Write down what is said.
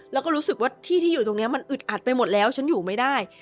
แล้วก็รู้สึกว่าที่ที่อยู่ตรงนี้มันอึดอัดไปหมดแล้วฉันอยู่ไม่ได้